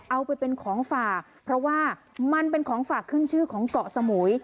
เอาไปเป็นของฝากเพราะว่ามันเป็นของฝากขึ้นชื่อของเกาะสมุย